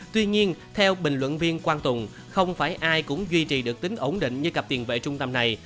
tuy nhiên theo bình luận viên quang tùng không phải ai cũng duy trì được tính ổn định như cặp tiền vệ trung tâm này